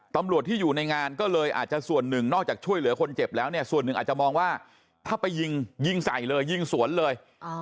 ตำรวจที่อยู่ในงานก็เลยอาจจะส่วนหนึ่งนอกจากช่วยเหลือคนเจ็บแล้วเนี่ยส่วนหนึ่งอาจจะมองว่าถ้าไปยิงยิงใส่เลยยิงสวนเลย